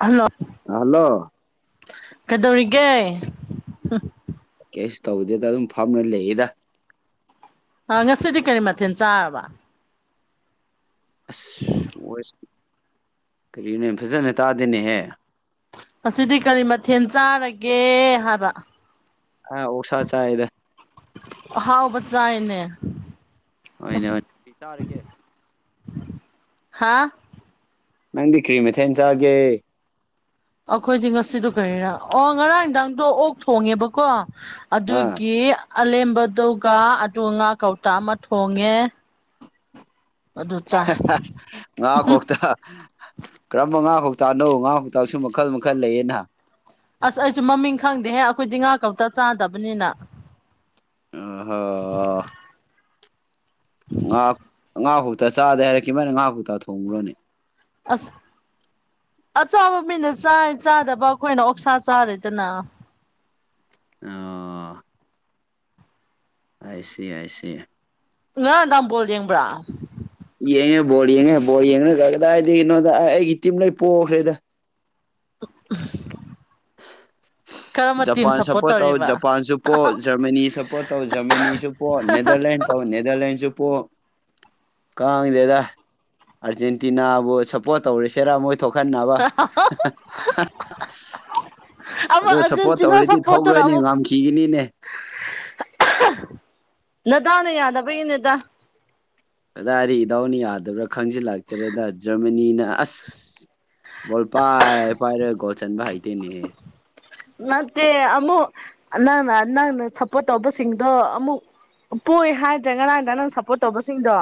hello hello ꯀꯩꯗꯧꯔꯤꯒꯦ ꯀꯩꯁꯨ ꯇꯧꯗꯦꯗ ꯑꯗꯨꯝ ꯐꯝꯅ ꯂꯩꯗ ꯑ ꯉꯁꯤꯗꯤ ꯀꯔꯤ ꯃꯊꯦꯜ ꯆꯥꯔꯕ ꯑꯁ ꯍꯁ ꯀꯔꯤꯅ ꯐꯖꯅ ꯇꯥꯗꯦꯅꯦꯍꯦ ꯉꯁꯤꯗꯤ ꯀꯔꯤ ꯃꯊꯦꯜ ꯆꯥꯔꯒꯦ ꯍꯥꯏꯕꯥ ꯑꯥ ꯑꯣꯁꯥ ꯆꯥꯏꯗ ꯑꯍꯥꯎꯕ ꯆꯥꯏꯅꯦ ꯍꯣꯏꯅꯦ ꯍꯣꯏꯅꯦ ꯍꯥꯥ ꯅꯪꯗꯤ ꯀ꯭ꯔꯤꯃꯦꯊꯦꯟ ꯆꯥꯒꯦ ꯑꯩꯈꯣꯏꯗꯤ ꯉꯁꯤꯗꯣ ꯀꯔꯤꯔꯥ ꯑꯣ ꯉꯔꯥꯡ ꯟꯗꯥꯥꯡꯗꯣ ꯑꯣꯛ ꯊꯣꯡꯉꯦꯕꯀꯣ ꯑꯥ ꯑꯗꯨꯒꯤ ꯑꯂꯦꯝꯦꯝꯕꯗꯨꯒ ꯑꯗꯨꯒ ꯉꯥ ꯀꯧꯇꯥ ꯑꯃ ꯊꯣꯡꯉꯦ ꯑꯗꯨ ꯆꯥꯏ [unintelligible] ꯉꯥ ꯀꯣꯛꯇꯥ ꯀꯔꯝꯕ ꯉꯥ ꯀꯧꯇꯥꯛꯅꯣ ꯉꯥ ꯀꯧꯇꯥꯛꯁꯨ ꯃꯈꯜ ꯃꯈꯜ ꯂꯩꯌꯦꯅ ꯑꯁ ꯑꯩꯁꯨ ꯃꯃꯤꯡ ꯈꯪꯗꯦꯍꯦ ꯑꯩꯈꯣꯏꯗꯤ ꯉꯍꯥꯛ ꯀꯧꯇ ꯆꯥꯗꯕꯅꯤꯅ ꯑ ꯍꯣ ꯉꯥ ꯀꯣꯛꯇꯥ ꯆꯥꯗꯦ ꯍꯥꯏꯔ ꯀꯃꯥꯏ ꯉꯥ ꯀꯣꯛꯇꯥ ꯊꯣꯡꯕꯔꯣꯅꯦ ꯑꯥꯁ ꯑꯆꯥꯥꯕ ꯃꯤꯅ ꯆꯥꯏ ꯆꯥꯗꯕ ꯑꯩꯈꯣꯏꯅ ꯑꯣꯛꯁꯥ ꯆꯥꯔꯦꯗꯅꯥ ꯑꯣ ꯑꯥꯏꯁꯤ ꯑꯥꯏꯁꯤ ꯉꯔꯥꯡ ꯅꯨꯡꯗꯥꯡ ꯕꯣꯜ ꯌꯦꯡꯕ꯭ꯔꯥ ꯌꯦꯡꯉꯦ ꯕꯣꯔꯜ ꯌꯦꯡꯉꯦ ꯕꯜ ꯌꯦꯡ ꯀ ꯀꯗꯥꯏꯗꯤ ꯀꯩꯅꯣꯗ ꯑꯩꯒꯤ ꯇꯤꯝꯂꯩ ꯄꯣꯛꯈ꯭ꯔꯦꯗ [unintelligible] ꯇꯤꯝ ꯖꯄꯥꯟ ꯁꯞꯄꯣꯔꯠ ꯁꯄꯣꯔꯠ ꯇꯧ ꯇꯧꯔꯤꯕ ꯖꯄꯥꯟꯁꯨ ꯄꯣ ꯖꯔꯃꯅꯤ ꯁꯄꯣꯔꯠ ꯇꯧ ꯖꯔꯃꯅꯤꯁꯨ ꯄꯣ ꯅꯦꯗꯔꯂꯦꯟ ꯅꯦꯗꯔꯂꯦꯟꯁꯁꯨꯄꯣ ꯀꯥꯡꯗꯦꯗ ꯑꯥꯔꯖꯦꯟꯇꯤꯅꯥꯕꯨ ꯁꯞꯄꯣꯔꯠ ꯇꯧꯔꯤꯁꯦꯔꯥ ꯃꯣꯏ ꯊꯣꯛꯍꯟꯅꯕ ꯑꯃꯨꯛ ꯑꯗꯣ ꯁꯞꯄꯣꯔꯠ ꯑꯔꯖꯦꯟꯇꯤꯅꯥ ꯇꯧꯔꯗꯤ ꯁꯄꯣꯠꯇꯅ ꯊꯣꯛꯂꯣꯏꯅꯦ ꯑꯃꯨꯛ ꯉꯝꯈꯤꯒꯅꯤꯅꯦ ꯅꯗꯥꯎꯅ ꯌꯗꯕꯒꯤꯅꯦꯗ ꯑꯗꯥꯗꯤ ꯏꯗꯥꯎꯅꯤ ꯌꯥꯗꯕ꯭ꯔꯥ ꯈꯪꯖꯤꯜꯂꯇꯔꯦꯗ ꯖꯔꯃꯅꯤꯅ ꯑꯁ ꯕꯣꯜ ꯄꯥꯏ ꯄꯥꯏꯔꯦ ꯒꯣꯜ ꯆꯟꯕ ꯍꯩꯇꯦꯅꯦ ꯅꯠꯇꯦ ꯑꯃꯨꯛ ꯅꯪꯅ ꯅꯪꯅ ꯁꯞꯄꯣꯔꯠ ꯇꯧꯕꯁꯤꯡꯗꯣ ꯑꯃꯨꯛ ꯄꯣꯛꯏ ꯍꯥꯏꯗ꯭ꯔꯦ ꯉꯔꯥꯡꯗ ꯅꯪ ꯁꯞꯄꯣꯔꯠ ꯇꯧꯕꯁꯤꯡꯗꯣ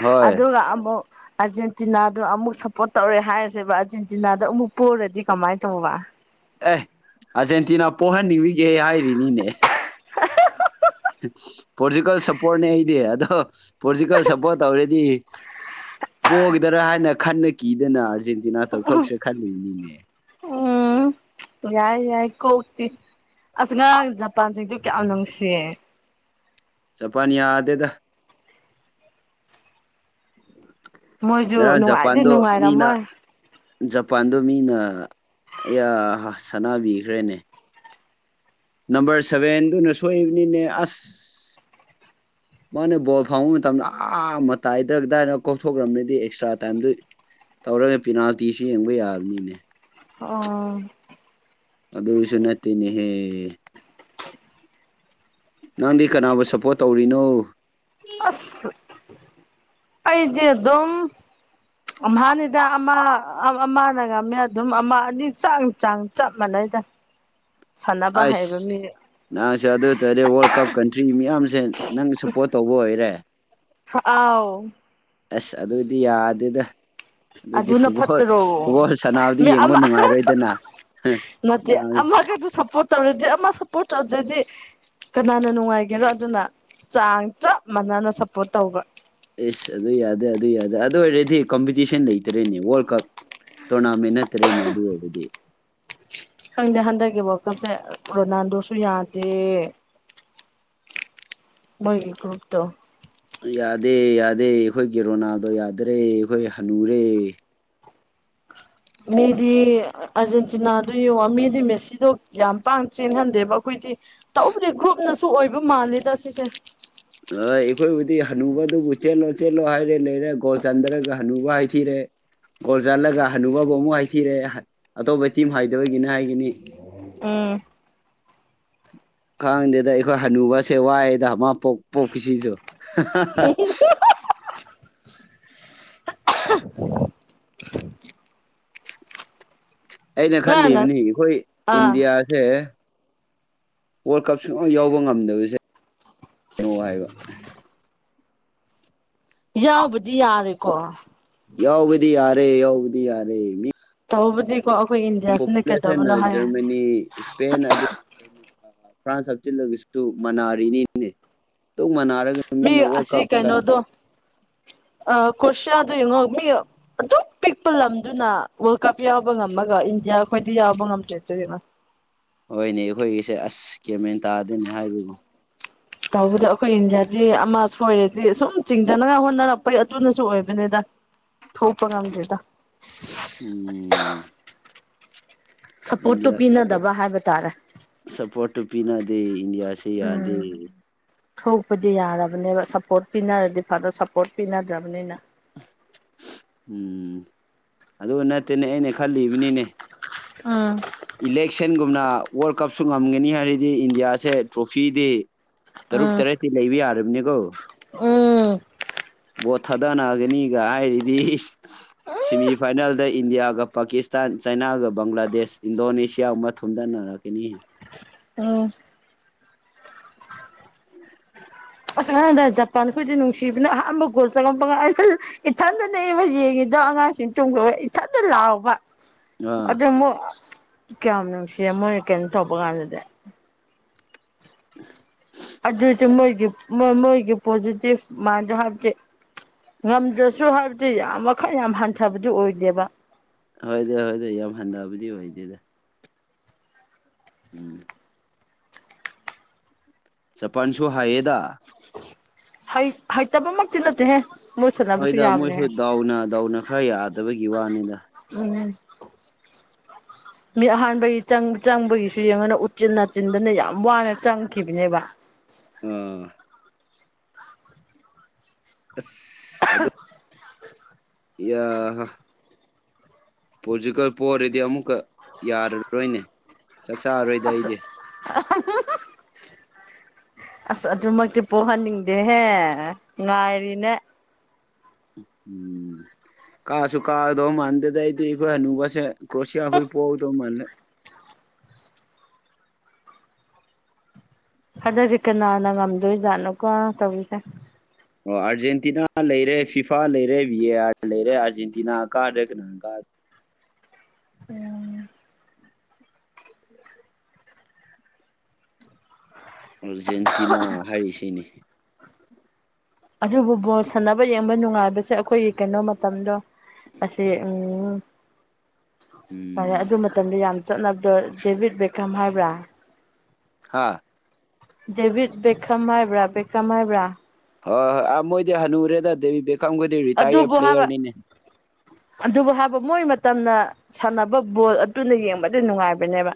ꯍꯣꯏ ꯑꯗꯨꯒ ꯑꯃꯨꯛ ꯑꯥꯔꯖꯦꯟꯇꯤꯅꯥꯗꯣ ꯑꯃꯨꯛ ꯁꯞꯄꯣꯔꯠ ꯇꯧꯔꯦ ꯍꯥꯏꯔꯁꯦꯕ ꯑꯥꯔꯖꯦꯟꯇꯤꯅꯥꯗ ꯑꯃꯨꯛ ꯄꯨꯔꯗꯤ ꯀꯃꯥꯏꯅ ꯇꯧꯕ ꯑꯦ ꯑꯥꯔꯖꯦꯟꯇꯤꯅꯥ ꯄꯣꯛꯍꯟꯅꯤꯡꯂꯤꯒꯦ ꯍꯥꯏꯔꯤꯅꯤꯅꯦ ꯍ ꯄꯣꯔꯇꯨꯀꯦꯜ ꯁꯞꯄꯣꯔꯠꯅꯦ ꯑꯩꯗꯤ ꯑꯗꯣ ꯄꯣꯔꯇꯨꯀꯦꯜ ꯁꯞꯄꯣꯔꯠ ꯇꯧꯔꯗꯤ ꯄꯣꯛꯒꯗꯔꯥ ꯍꯥꯏꯅ ꯈꯟꯅ ꯀꯤꯗꯅ ꯑꯥꯔꯖꯦꯟꯇꯤꯅꯥ ꯇꯧꯊꯣꯛꯁꯦ ꯈꯜꯂꯤꯕꯅꯤꯅꯦ ꯎꯝ ꯌꯥꯏ ꯌꯥꯏ ꯀꯣꯛꯇꯤ ꯑꯁ ꯉꯔꯥꯡ ꯖꯄꯥꯟꯁꯤꯡꯁꯨ ꯀꯌꯥꯝ ꯅꯨꯡꯁꯤꯌꯦ ꯆꯄꯅꯤ ꯌꯥꯗꯦꯗ ꯃꯣꯏꯁꯨ ꯅꯔꯥꯡ ꯅꯨꯡꯉꯥꯏꯗꯤ ꯖꯄꯥꯟꯗꯣ ꯃꯤꯅ ꯅꯨꯡꯉꯥꯏꯔꯝꯃꯣꯏ ꯖꯄꯥꯟꯗ ꯃꯤꯅ ꯁꯥꯟꯅꯕꯤꯈ꯭ꯔꯦꯅꯦ ꯅꯝꯕꯔ ꯁꯚꯦꯟꯗꯨꯅ ꯁꯣꯛꯏꯕꯅꯤꯅꯦ ꯑꯁ [inaudible] ꯃꯥꯅ ꯕꯣꯜ ꯐꯪꯕ ꯃꯇꯝꯗ ꯑꯥ ꯃꯇ ꯇꯥꯏꯗ꯭ꯔꯗꯥꯏꯅ ꯀꯣꯛꯊꯣꯛꯈ꯭ꯔꯕꯅꯤꯗꯤ ꯑꯦꯛꯁꯇ꯭ꯔꯥ ꯇꯥꯏꯝꯗꯨ ꯇꯧꯔꯒ ꯄꯤꯅꯥꯜꯇꯤꯁꯨ ꯌꯦꯡꯕ ꯌꯥꯕꯅꯤꯅꯦ ꯑꯣ ꯑꯗꯁꯨꯅꯇꯅꯤꯍꯦ ꯅꯪꯗꯤ ꯀꯅꯥꯕꯨ ꯁꯞꯄꯣꯔꯠ ꯇꯧꯔꯤꯅꯣ ꯑꯁ ꯑꯩꯗꯤ ꯑꯗꯨꯝ ꯍꯅꯤꯗ ꯑꯃ ꯑꯃꯅ ꯉꯝꯃꯦ ꯑꯗꯨꯝ ꯑꯃ ꯑꯅꯤ ꯆꯥꯡ ꯆꯥꯡ ꯆꯞ ꯃꯥꯟꯅꯩꯗ [inaudible] ꯑꯁ ꯍꯩꯕ ꯃꯤ ꯅꯍꯪꯁꯦ ꯑꯗꯨ ꯑꯣꯏꯇꯥꯔꯗꯤ ꯋꯥꯔꯜ ꯀꯞ ꯀꯟꯇ꯭ꯔꯤ ꯃꯤꯌꯥꯝꯁꯦ ꯅꯪ ꯁꯞꯄꯣꯔꯠ ꯇꯧꯕ ꯑꯣꯏꯔꯦ ꯑꯥꯎ ꯑꯁ ꯑꯗꯨꯑꯣꯏꯗꯤ ꯌꯥꯗꯦꯗ ꯑꯗꯨꯗꯤ ꯑꯗꯨꯅ ꯐꯨꯠꯕꯣꯜ ꯐꯠꯇ꯭ꯔꯣ ꯐꯨꯠꯕꯣꯜ ꯁꯅꯥꯕꯨꯗꯤ ꯃꯤ ꯌꯦꯡꯕ ꯑꯃ ꯅꯨꯡꯉꯥꯏꯔꯣꯏꯗꯅ ꯅꯠꯇꯦ ꯑꯃꯈꯁꯨ ꯁꯞꯄꯣꯔꯠ ꯇꯧꯔꯗꯤ ꯑꯃ ꯁꯞꯄꯣꯔꯠ ꯇꯧꯗ꯭ꯔꯗꯤ ꯀꯅꯥꯅ ꯅꯨꯡꯉꯥꯏꯒꯦꯔꯣ ꯑꯗꯨꯅ ꯆꯥꯡ ꯆꯞ ꯃꯥꯟꯅꯅ ꯁꯞꯄꯣꯔꯠ ꯇꯧꯕ ꯏꯁꯁ ꯑꯗꯨ ꯌꯥꯗꯦ ꯑꯗꯨ ꯌꯥꯗꯦ ꯑꯗꯨ ꯑꯣꯏꯔꯗꯤ ꯀꯝꯄꯤꯇꯤꯁꯟ ꯂꯩꯇꯔꯦꯅꯦ ꯋꯥꯔꯜ ꯀꯞ ꯇꯣꯅꯥꯃꯤ ꯅꯠꯇ꯭ꯔꯦꯅꯦ ꯑꯗꯨ ꯑꯣꯏꯕꯗꯤ ꯈꯪꯗꯦ ꯍꯟꯗꯛꯀꯤꯕ ꯀꯞꯁꯦ ꯔꯣꯅꯥꯜꯗꯣꯁꯨ ꯌꯥꯗꯦ ꯣꯏꯒꯤꯛ ꯔꯨꯨꯞꯇ ꯌꯥꯗꯦ ꯌꯥꯗꯦ ꯑꯩꯈꯣꯏ ꯒꯤꯒꯦꯔꯣꯅꯥꯗꯣ ꯌꯥꯗꯔꯦ ꯑꯩꯈꯣꯏ ꯍꯅꯨꯔꯦ ꯃꯤꯗꯤ ꯑꯔꯖꯦꯟꯇꯤꯅꯥꯗ ꯌꯦꯡ ꯃꯤꯗꯤ ꯃꯦꯁꯤꯗꯣ ꯌꯥꯝ ꯄꯥꯡ ꯆꯦꯟꯍꯟꯗꯦꯕ ꯑꯩꯈꯣꯏ ꯍꯥꯏꯗꯤ ꯇꯧꯗꯦ ꯒ꯭ꯔꯨꯞꯅꯁꯨ ꯑꯣꯏꯕ ꯃꯥꯜꯂꯤꯦꯗ ꯁꯤꯁꯦ ꯑ ꯑꯩꯈꯣꯏꯕꯨꯗꯤ ꯍꯅꯨꯕꯗꯨꯕꯨ ꯆꯦꯜꯂꯣ ꯆꯦꯜꯂꯣ ꯍꯥꯏꯔꯦ ꯂꯩꯔꯦ ꯒꯣꯜ ꯆꯟꯗ꯭ꯔꯒ ꯍꯅꯨꯕ ꯍꯥꯏꯊꯤꯔꯦ ꯒꯣꯜ ꯆꯜꯂꯒ ꯍꯅꯨꯕꯕꯨ ꯑꯃꯨꯛ ꯍꯥꯏꯊꯤꯔꯦ ꯑꯇꯣꯞꯄ ꯇꯤꯝ ꯍꯥꯏꯗꯣꯏꯒꯤꯅ ꯍꯥꯏꯈꯤꯅꯤ ꯎꯝ ꯈꯪꯗꯦꯗ ꯑꯩꯈꯣꯏ ꯍꯅꯨꯕꯁꯦ ꯋꯥꯏꯑꯗ ꯃꯥ ꯄꯣꯛ ꯄꯣꯛꯈꯤꯁꯤꯁꯨ ꯑꯩꯅ ꯅꯣꯏꯅ ꯈꯜꯂꯤꯕꯅꯤ ꯑꯩꯈꯣꯏ ꯑꯥ ꯏꯟꯗꯤꯌꯥꯁꯦ ꯋꯥꯔꯜ ꯀꯞ ꯁꯨꯡ ꯌꯥꯎꯕ ꯉꯝꯗꯕꯁꯦ ꯍꯥꯏꯕ ꯌꯥꯎꯕꯗꯤ ꯌꯥꯔꯦꯀꯣ ꯌꯥꯎꯕꯗꯤ ꯌꯥꯔꯦ ꯌꯥꯎꯕꯗꯤ ꯌꯥꯔꯦ ꯃꯤ ꯇꯧꯕꯕꯨꯗꯤ ꯄꯣꯄꯨꯂꯦꯁꯟ ꯖꯔꯃꯅꯤ ꯏꯁꯄꯦꯟ ꯑꯗꯨ ꯐ꯭ꯔꯥꯟꯁ ꯍꯥꯞꯆꯤꯜꯂ ꯃꯅꯥꯔꯤꯅꯤꯅꯦ ꯃꯤ ꯃꯤꯅ ꯋꯥꯔꯜ ꯑꯁꯤ ꯀꯞꯇ ꯀꯩꯅꯣꯗꯣ ꯑ ꯀꯣꯁꯤꯌꯥꯗꯨ ꯌꯦꯡꯉꯣ ꯃꯤ ꯑꯗꯨꯛ ꯄꯤꯛꯄ ꯂꯝꯗꯨꯅ ꯋꯥꯔꯜꯗ ꯀꯞ ꯌꯥꯎꯕ ꯉꯝꯃꯒ ꯏꯟꯗꯤꯌꯥ ꯑꯩꯈꯣꯏ ꯀꯗꯤ ꯌꯥꯕ ꯉ ꯑꯃ ꯆꯦꯇꯅ ꯍꯣꯏꯅꯦ ꯑꯩꯈꯣꯏꯒꯤꯁꯦ ꯑꯁ ꯀꯦꯃꯦꯟ ꯇꯥꯗꯣꯏꯅꯦ ꯍꯥꯏꯕꯕꯨ ꯇꯧꯕꯗ ꯑꯩꯈꯣꯏ ꯏꯟꯗꯤꯌꯥꯗꯤ ꯑꯃ ꯁꯣꯏꯔꯗꯤ ꯁꯨꯝ ꯆꯤꯡꯊꯅꯉꯥꯏ ꯍꯣꯠꯅꯔꯛꯄꯩ ꯑꯗꯨꯅꯁꯨ ꯑꯣꯏꯕꯅꯤꯗ ꯊꯣꯄ ꯉꯥꯡꯗꯗ ꯎꯝ ꯁꯞꯄꯣꯔꯠꯇꯨ ꯏꯟꯗꯤꯌꯥ ꯄꯤꯅꯗꯕ ꯍꯥꯏꯕ ꯇꯥꯔꯦ ꯁꯞꯄꯣꯔꯠꯇꯨ ꯄꯤꯅꯗꯦ ꯏꯟꯗꯤꯌꯥꯁꯤꯦ ꯌꯥꯗꯦ ꯊꯣꯛꯄꯗꯤ ꯌꯥꯔꯕꯅꯦꯕ ꯁꯞꯄꯣꯔꯠ ꯄꯤꯅꯔꯗꯤ ꯐꯅ ꯁꯞꯄꯣꯔꯠ ꯄꯤꯅꯗ꯭ꯔꯕꯅꯤꯅ ꯎꯝ ꯑꯗꯨꯒ ꯅꯠꯇꯦꯅꯦ ꯑꯩꯅ ꯈꯜꯂꯤꯕꯅꯤꯅꯦ ꯎꯝ ꯏꯂꯦꯛꯁꯟꯒꯨꯝꯅ ꯋꯥꯔꯜ ꯀꯞꯁꯨ ꯉꯝꯒꯅꯤ ꯍꯥꯏꯔꯗꯤ ꯏꯟꯗꯤꯌꯥꯁꯦ ꯇ꯭ꯔꯣꯐꯤꯗꯤ ꯇꯔꯨꯛ ꯎꯝ ꯇꯔꯦꯠꯇꯤ ꯂꯩꯕ ꯌꯥꯔꯕꯅꯦꯀꯣ ꯎꯝ ꯕꯣꯠ ꯊꯥꯗꯅꯒꯅꯤꯒ ꯍꯥꯏꯔꯤꯗꯤ ꯁꯦꯃꯤꯐꯥꯏꯅꯦꯜꯗ ꯏꯟꯗꯤꯌꯥꯒ ꯄꯥꯀꯤꯁꯇꯥꯟ ꯆꯅꯥꯒ ꯕꯪꯒ꯭ꯂꯥꯗꯦꯁ ꯏꯟꯗꯣꯅꯦꯁꯤꯌꯥ ꯑꯃꯊꯨꯝꯗꯅꯔ ꯀꯅꯤ ꯎꯝ ꯑꯁꯗ ꯖꯄꯥꯟꯈꯣꯏꯗꯤ ꯅꯨꯡꯁꯤꯕꯅ ꯑꯍꯥꯟꯕ ꯒꯣꯜ ꯆꯪꯉꯄ ꯏꯊꯟꯇꯗꯤ ꯑꯃ ꯌꯦꯡꯉꯤꯗ ꯑ ꯑꯉꯥꯡꯁꯤꯡ ꯇꯣꯡꯈꯕ ꯏꯊꯟꯗ ꯂꯥꯎꯕ ꯑꯥ ꯑꯗꯨ ꯃꯣꯏ ꯀꯌꯥꯝ ꯅꯨꯡꯁꯤꯌꯦ ꯃꯣꯏꯅ ꯀꯩꯅꯣ ꯇꯧꯕ ꯀꯥꯟꯗꯗꯤ ꯎ ꯑꯗꯨꯏꯗꯤ ꯃꯣꯏꯒꯤ ꯃꯣꯏꯒꯤ ꯄꯣꯖꯤꯇꯤꯚ ꯃꯥꯏꯟꯗꯣ ꯍꯥꯏꯕꯗꯤ ꯉꯝꯗ꯭ꯔꯁꯨ ꯍꯥꯏꯕꯗꯤ ꯌꯥꯝ ꯃꯈꯜ ꯌꯥꯝ ꯍꯟꯊꯕꯗꯨ ꯑꯣꯏꯗꯦꯕ‌ ꯍꯣꯏꯗꯣꯏ ꯍꯣꯏꯗꯣꯏ ꯌꯥꯝ ꯍꯟꯊꯕꯗꯤ ꯑꯣꯏꯗꯦꯗ ꯎꯝ ꯆꯄꯥꯟꯁꯨꯨ ꯍꯥꯏꯌꯦꯗꯥ ꯍ ꯍꯣꯏ ꯇꯕ ꯃ ꯇꯂꯦ ꯍꯣꯏꯗ ꯃꯣꯏꯁꯨ ꯗꯥꯎꯅ ꯗꯥꯎꯅ ꯈꯔ ꯌꯥꯗꯕꯒꯤ ꯋꯥꯅꯤꯗ [inaudible] ꯃꯤ ꯑꯍꯥꯟꯕꯒꯤ ꯆꯪꯕꯒꯤꯁꯨ ꯌꯦꯡꯉꯅ ꯎꯆꯤꯟ ꯅꯥꯆꯤꯟꯗꯅ ꯌꯥꯝ ꯋꯥꯅ ꯆꯪꯈꯤꯕꯅꯦꯕ ꯑꯥ [inaudible] ꯌꯥ ꯍ ꯄꯣꯖꯤꯀꯦꯜ ꯄꯣꯔꯗꯤ ꯑꯃꯨꯛꯀ ꯌꯥꯔꯔꯣꯏꯅꯦ ꯆꯥꯛ ꯆꯥꯔꯔꯣꯏꯗ ꯑꯁ ꯑꯩꯗꯤ ꯑꯁ ꯑꯗꯨꯃꯛꯇꯤ ꯄꯣꯛꯍꯟꯅꯤꯡꯗꯦꯍꯦ ꯉꯥꯏꯔꯤꯅꯦ ꯎꯝ ꯀꯥ ꯁꯨ ꯀꯥ ꯊꯧ ꯃꯥꯅꯗ ꯇꯥꯏ ꯇꯈꯣꯏꯅ ꯄꯁꯦ ꯀ꯭ꯔꯣꯁꯤꯌꯥꯈꯣꯏ ꯄꯣꯎ ꯇ ꯃꯥꯅꯤꯂ [inaudible] ꯑꯗꯨꯗꯗꯤ ꯀꯅꯥꯅ ꯉꯝꯗꯣꯏꯖꯥꯠꯅꯣꯀꯣ ꯇꯧꯔꯤꯁꯦ ꯑꯣ ꯑꯥꯔꯖꯦꯟꯇꯤꯅꯥ ꯂꯩꯔꯦ ꯐꯤꯐꯥ ꯂꯩꯔꯦ ꯕꯤ ꯑ ꯑꯥꯔ ꯂꯩꯔꯦ ꯑꯥꯔꯖꯦꯟꯇꯤꯅꯥ ꯀꯥꯗ꯭ꯔꯦ ꯀꯅꯥꯅ ꯀꯥꯗ꯭ꯔ ꯎꯝ ꯑꯔꯖꯦꯟꯇꯤꯅꯥ ꯍꯥꯏꯔꯤꯁꯤꯅꯤ ꯑꯗꯨꯕꯨ ꯕꯣꯜ ꯁꯥꯟꯅꯕ ꯌꯦꯡꯕ ꯅꯨꯡꯉꯥꯏꯕꯁꯦ ꯑꯩꯈꯣꯏꯒꯤ ꯀꯩꯅꯣ ꯃꯇꯝꯗꯣ ꯄꯁꯦ ꯎꯝ ꯐꯔꯦ ꯎꯝ ꯑꯗꯨ ꯃꯇꯝꯗ ꯌꯥꯝ ꯆꯠꯅꯕꯗꯣ ꯗꯦꯚꯤꯠ ꯕꯦꯀꯝ ꯍꯥꯏꯕ꯭ꯔꯥ ꯍꯥꯥ ꯗꯦꯕꯤꯠ ꯕꯦꯛꯈꯝ ꯍꯥꯏꯕ꯭ꯔꯥ ꯕꯦꯛꯈꯝ ꯍꯥꯏꯕ꯭ꯔꯥ ꯍꯣꯏ ꯍꯣꯏ ꯑ ꯃꯣꯏꯗꯤ ꯍꯅꯨꯔꯦꯗ ꯗꯦꯕꯤ ꯕꯦꯈꯥꯝꯈꯗꯤ ꯔꯤꯇꯥꯌꯔ ꯑꯗꯨꯕꯨ ꯍꯥꯏꯕ ꯄ꯭ꯂꯦꯌꯔꯅꯤꯅꯦ ꯑꯗꯨꯕꯨ ꯍꯥꯏꯕ ꯃꯣꯏ ꯃꯇꯝꯅ ꯁꯥꯟꯅꯕ ꯕꯣꯜ ꯑꯗꯨꯅ ꯌꯦꯡꯕꯗ ꯅꯨꯡꯉꯥꯏꯕꯅꯦꯕ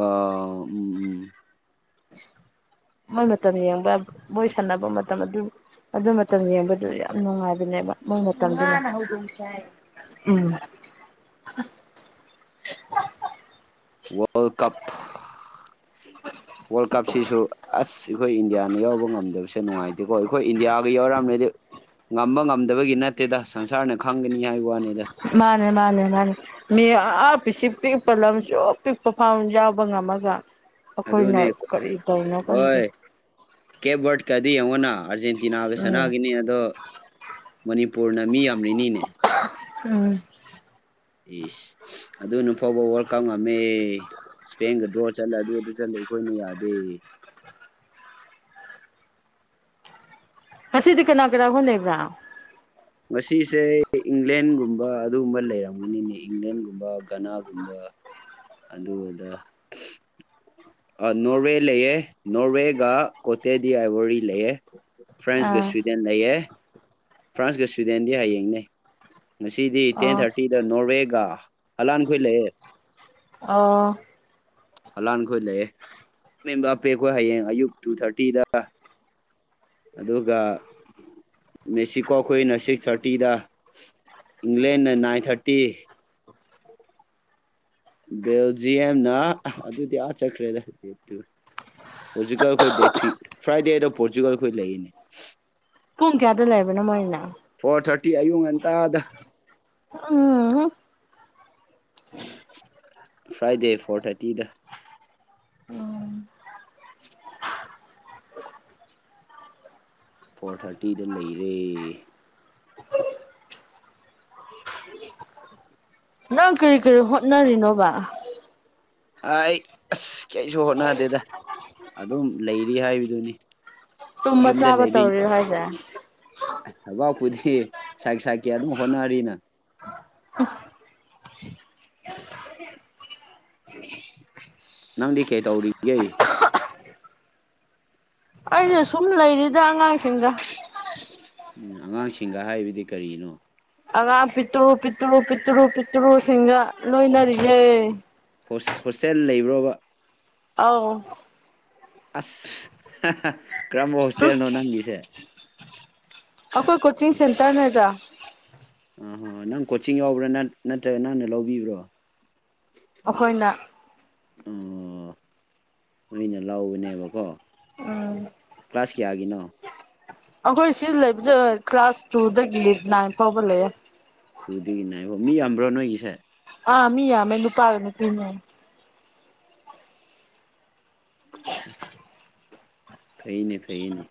ꯑ ꯎꯝ ꯎꯝ ꯃꯃꯦ ꯇ ꯌꯦꯕ ꯃꯣꯏ ꯁꯥꯟꯅꯕ ꯃꯇꯝ ꯑꯗꯨ ꯑꯗꯨ ꯃꯇꯝ ꯌꯦꯡꯕꯗꯨ ꯌꯥꯝ ꯅꯨꯡꯉꯥꯏꯕꯅꯦꯕ ꯃꯣꯏ ꯃꯇꯝꯗꯨ ꯎꯝ ꯋꯥꯔ ꯀꯞ ꯋꯥꯔ ꯀꯞ ꯁꯤꯁꯨ ꯑꯁ ꯑꯩꯈꯣꯏ ꯏꯟꯗꯤꯌꯥꯅ ꯌꯥꯎꯕ ꯉꯝꯗꯕꯁꯦ ꯅꯨꯡꯉꯥꯏꯇꯦꯀꯣ ꯑꯩꯈꯣꯏ ꯏꯟꯗꯤꯌꯥꯒ ꯌꯥꯎꯔꯛꯑꯝꯅꯗꯤ ꯉꯝꯕ ꯉꯝꯗꯕꯒꯤ ꯅꯠꯇꯦꯗ ꯁꯪꯁꯥꯔꯅ ꯈꯪꯒꯅꯤ ꯍꯥꯏꯕ ꯋꯥꯅꯤ ꯃꯥꯅꯦ ꯃꯥꯅꯦ ꯃꯥꯅꯦ ꯃꯤ ꯄꯤꯤꯁ ꯄꯤꯛꯄ ꯂꯝꯁꯨ ꯄꯤꯛꯄ ꯐꯥꯝ ꯌꯥꯎꯕ ꯉꯝꯃꯒ ꯑꯩꯈꯣꯏꯅ ꯑꯗꯨꯅꯦ ꯀꯔꯤ ꯇꯧꯅꯣ ꯈꯪꯗꯦ ꯀꯦꯕꯠ ꯀꯗꯤ ꯌꯅꯥ ꯑꯔꯖꯦꯟꯇꯤꯅꯥꯒ ꯎꯝ ꯆꯅꯥꯒꯅꯤ ꯑꯗꯣ ꯃꯅꯤ ꯄꯨꯅ ꯃꯤ ꯌꯥꯝ ꯔꯤꯅꯤꯅꯦ ꯎꯝ ꯑꯦꯁ ꯑꯗꯨꯅ ꯐꯥꯎꯕ ꯋꯥꯔꯜ ꯀꯞ ꯉꯝꯃꯦ ꯏꯁꯄꯦꯟꯒ ꯗ꯭ꯔꯣ ꯆꯠꯂ ꯑꯗꯨ ꯆꯠꯂ ꯑꯩꯈꯣꯏꯅ ꯌꯥꯗꯦ [inaudible] ꯍꯁꯤꯗꯤ ꯀꯅꯥ ꯀ꯭ꯔꯒꯅꯦ ꯏꯕ꯭ꯔꯥ ꯃꯁꯤꯁꯦ ꯏꯪꯂꯦꯟꯒꯨꯝꯕ ꯑꯗꯨꯒꯨꯝꯕ ꯂꯩꯔꯝꯒꯅꯤꯅꯦ ꯏꯪꯂꯦꯟꯒꯨꯝꯕ ꯒꯅꯥꯒꯨꯝꯕ [inaudible] ꯑꯗꯨꯗ ꯅꯣꯔꯋꯦ ꯂꯩꯑꯦ ꯅꯣꯔꯋꯦꯒ ꯀꯣꯇꯦꯗꯤꯥꯏ ꯋꯥꯔꯤꯔꯤ ꯂꯩꯑꯦ ꯐ꯭ꯔꯥꯟꯁꯒ ꯑꯥ ꯁ꯭ꯤꯗꯦꯟ ꯂꯩꯌꯦ ꯐ꯭ꯔꯥꯟꯁꯀ ꯁ꯭ꯋꯤꯗꯦꯟꯗꯤ ꯍꯌꯦꯡꯅꯦ ꯉꯁꯤꯗꯤ ꯇꯦꯟ ꯑꯣ ꯊꯥꯔꯇꯤꯗ ꯅꯣꯔꯋꯦꯒ ꯍꯂꯥꯟꯈꯣꯏ ꯂꯩꯦ ꯑ ꯍꯂꯥꯟꯈꯣꯏ ꯂꯩꯑꯦ ꯃꯦꯝ ꯞꯄꯦ ꯑꯩꯈꯣꯏ ꯍꯌꯦꯡ ꯑꯌꯨꯛ ꯇꯨ ꯊꯥꯔꯇꯤꯗ ꯑꯗꯨꯒ ꯃꯦꯛꯁꯤꯀꯣ ꯑꯩꯈꯣꯏꯅ ꯁꯤꯛꯁ ꯊꯥꯔꯇꯤꯗ ꯏꯪꯂꯦꯟꯅ ꯅꯥꯏꯟ ꯊꯥꯔꯇꯤ ꯕꯦꯜꯖꯤꯌꯝꯅ ꯑꯗꯨꯗꯤ ꯑꯥ ꯆꯠꯈ꯭ꯔꯦꯗꯦꯠꯇꯨ ꯄꯣꯔꯆꯨꯒꯜ ꯑꯩꯈꯣꯏ ꯗꯦ ꯊ꯭ꯔꯤ ꯐ꯭ꯔꯥꯏꯗꯦꯗꯣ ꯄꯣꯔꯆꯨꯒꯜ ꯑꯩꯈꯣꯏ ꯂꯩꯔꯤꯅꯦ ꯄꯨꯡ ꯀꯌꯥꯗ ꯂꯩꯕꯅꯣ ꯃꯣꯏꯅ ꯐꯣꯔ ꯊꯥꯔꯇꯤ ꯑꯌꯨꯛ ꯉꯟꯇꯥꯗ ꯎꯝ ꯐ꯭ꯔꯥꯏꯗꯦ ꯐꯣꯔ ꯊꯥꯔꯇꯤꯗ ꯎꯝ ꯐꯣꯔ ꯊꯥꯔꯇꯤꯗ ꯂꯩꯔꯦ ꯅꯪ ꯀꯔꯤ ꯀꯔꯤ ꯍꯣꯠꯅꯔꯤꯅꯣꯕ ꯑꯩ ꯑꯁ ꯀꯩꯁꯨ ꯍꯣꯠꯅꯗꯦꯗ ꯑꯗꯨꯝ ꯂꯩꯔꯤ ꯍꯥꯏꯕꯗꯨꯅꯤ ꯇꯨꯝꯃ ꯆꯥꯕ ꯇꯧꯔꯤ ꯍꯣꯏꯖ ꯑꯕꯥꯛꯄꯨꯗꯤ ꯁꯥꯏ ꯁꯛꯀꯦ ꯑꯗꯨꯝ ꯍꯣꯠꯅꯔꯤꯅ ꯅꯪꯗꯤ ꯀꯩ ꯇꯧꯔꯤꯒꯦ ꯑꯩꯁ ꯁꯨꯝ ꯂꯩꯔꯤꯗ ꯑꯉꯥꯡꯁꯤꯡꯗ ꯎꯝ ꯑꯉꯥꯡꯁꯤꯡꯒ ꯍꯥꯏꯕꯗꯤ ꯀꯔꯤꯅꯣ ꯑꯉꯥꯡ ꯄꯤꯠꯇ꯭ꯔꯨ ꯄꯤꯠꯇ꯭ꯔꯨ ꯄꯤꯠꯇ꯭ꯔꯨ ꯄꯤꯠꯇ꯭ꯔꯨꯁꯤꯡꯒ ꯂꯣꯏꯅꯔꯤꯌꯦꯦ ꯍꯣꯁꯇꯦꯜ ꯂꯩꯕ꯭ꯔꯕ ꯑꯥꯎ ꯑꯁ ꯀꯔꯝꯕ ꯎꯝ ꯍꯣꯁꯇꯦꯜꯅꯣ ꯅꯪꯒꯤꯁꯦ ꯑꯩꯈꯣꯏ ꯀꯣꯆꯤꯡ ꯁꯦꯟꯇꯔꯅꯦꯗ ꯑꯍꯣ ꯅꯪ ꯀꯣꯆꯤꯡ ꯌꯥꯎꯕ꯭ꯔꯥ ꯅꯠꯇ꯭ꯔꯒ ꯅꯪꯅ ꯂꯧꯕꯤꯕ꯭ꯔꯣ ꯑꯩꯈꯣꯏꯅ ꯑꯣ ꯃꯩꯅ ꯂꯧꯕꯅꯦꯕꯀꯣ ꯀ꯭ꯂꯥꯁꯀꯤꯌꯥꯒꯅꯣ ꯑꯩꯈꯣꯏ ꯁꯤ ꯀ꯭ꯂꯥꯁ ꯇꯨꯗ ꯒꯤ ꯏ ꯂꯩꯗ ꯅꯅꯥ ꯄꯕꯂꯦ ꯑꯗꯨꯗꯒꯤꯅꯦꯕ ꯃꯤ ꯌꯥꯝꯕ꯭ꯔꯣ ꯅꯣꯏꯒꯤꯁꯦ ꯑꯥ ꯃꯤꯌꯥ ꯃꯦ ꯅꯨ ꯄꯥꯒꯅꯄꯤꯅ ꯊꯩꯅꯦ ꯊꯩꯅꯦ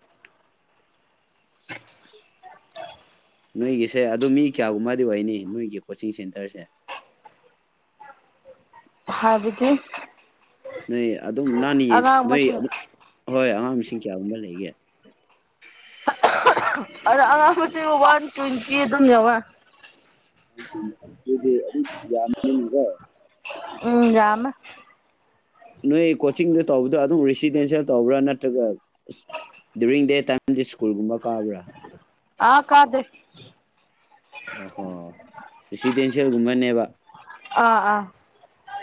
ꯅꯣꯏꯒꯤꯁꯦ ꯑꯗꯨ ꯃꯤ ꯀꯌꯥꯒꯨꯝꯕꯗꯤ ꯑꯣꯏꯅꯤ ꯅꯣꯏꯒꯤ ꯀꯣꯆꯤꯡ ꯁꯦꯟꯇꯔꯁꯦ ꯍꯥꯕꯤꯗꯤ ꯅꯣꯏ ꯑꯗꯨꯝ ꯅꯥꯅꯤꯌꯦ ꯅꯣꯏꯝ ꯍꯣꯏ ꯑꯉꯥꯡ ꯁꯤꯡ ꯆꯌꯥꯒꯨꯝꯕ ꯂꯩꯒꯦ ꯑꯗ ꯑꯉꯥꯡꯕꯁꯤꯕꯨ ꯋꯥꯟ ꯇ꯭ꯋꯦꯟꯇꯤ ꯑꯗꯨꯝ ꯌꯧꯋꯦ ꯑ ꯑꯗꯨ ꯃꯤꯕ ꯎꯝ ꯌꯥꯝ ꯅꯣꯏ ꯀꯣꯆꯤꯡꯗ ꯇꯧꯕꯗꯣ ꯑꯗꯨꯝ ꯔꯤꯁꯤꯗꯦꯟꯁꯤꯌꯦꯦꯜ ꯇꯧꯕ꯭ꯔꯥ ꯅꯠꯇ꯭ꯔꯒ ꯑ ꯗꯗꯨꯌꯨꯔꯤꯡ ꯗꯦ ꯇꯥꯏꯝꯗꯤ ꯁ꯭ꯀꯨꯜꯒꯨꯝꯕ ꯀꯥꯕ꯭ꯔꯥ ꯑꯥ ꯀꯥꯗꯦ ꯑꯣ ꯍꯣ ꯔꯤꯁꯤꯗꯦꯟꯁꯤꯌꯦꯜꯒꯨꯝꯕꯅꯦꯕ ꯑꯥ ꯑꯥ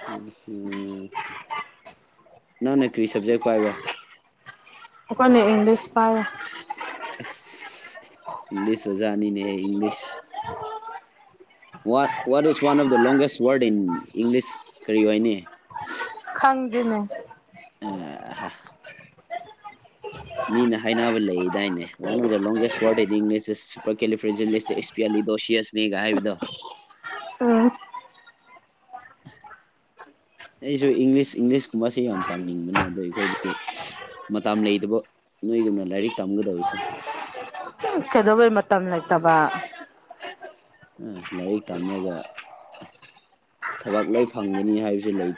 ꯎꯝ ꯎꯝ ꯅꯪꯅ ꯀꯔꯤ ꯁꯕꯖꯦꯛ ꯄꯥꯏꯕ ꯑꯩꯀꯣꯏꯅ ꯏꯪꯂꯤꯁ ꯄꯔꯦ ꯑ ꯏꯪꯂꯤꯁ ꯋꯥꯖꯅꯤꯅꯦꯦ English what what is one of the longest word in English ꯀꯔꯤ ꯋꯥꯏꯅꯤ ꯈꯪꯗꯅꯦ ꯑ ꯃꯤꯅ ꯍꯥꯏꯅꯕ ꯂꯩꯗꯥꯏꯅꯦ ꯗ ꯂꯣꯡꯒꯦꯁ ꯋꯥꯔꯗꯟꯪ ꯏꯁ ꯁꯨꯄꯔ ꯀꯦꯂꯤꯐ ꯗꯣꯁꯤꯤ ꯑꯁꯅꯤ ꯀꯒꯍꯕꯗꯣ ꯎꯝ [inaudible] ꯑꯩꯁꯨ ꯏꯪꯂꯤꯁ ꯏꯪꯂꯤꯁꯀꯨꯝꯕꯁꯦ ꯌꯥꯝ ꯇꯥꯅꯤꯡꯕꯅꯦ ꯑꯗꯣ ꯑꯩꯈꯣꯏꯗꯤ ꯃꯇꯥꯝ ꯂꯩꯇꯕ ꯅꯣꯏꯒꯨꯝꯅ ꯂꯥꯏꯔꯤꯛ ꯇꯝꯒꯗꯕꯁꯦ ꯀꯩꯗꯧꯕꯩ ꯃꯇꯝ ꯂꯩꯇꯕ ꯂꯥꯏꯔꯤꯛ ꯇꯝꯔꯒ ꯊꯕꯛ ꯂꯣꯏ ꯐꯪꯒꯅꯤ ꯍꯥꯏꯕꯁꯨ ꯂꯩ